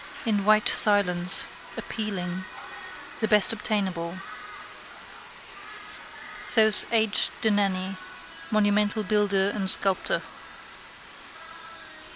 In white silence: appealing. The best obtainable. Thos. H. Dennany, monumental builder and sculptor.